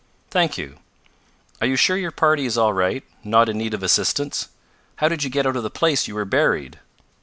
"Thank you! Are you sure your party is all right not in need of assistance? How did you get out of the place you were buried?"